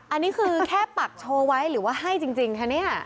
อันนี้คือแค่ปักโชว์ไว้หรือว่าให้จริงคะเนี่ย